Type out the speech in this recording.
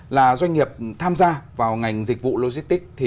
là doanh nghiệp tham gia vào ngành dịch vụ logistics